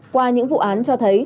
qua những vụ án cho thấy